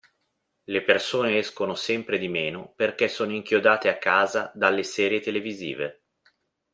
Le persone escono sempre di meno perché sono inchiodate a casa dalle serie televisive.